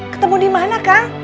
ketemu dimana kang